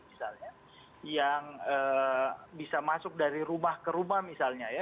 misalnya yang bisa masuk dari rumah ke rumah misalnya ya